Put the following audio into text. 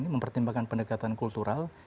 mempertimbangkan pendekatan kultural